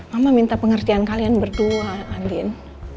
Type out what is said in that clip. mama minta pengertian kalian berdua andin